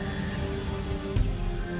kita harus mencari kembali ke wilayah kumbayan